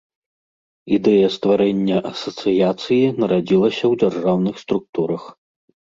Ідэя стварэння асацыяцыі нарадзілася ў дзяржаўных структурах.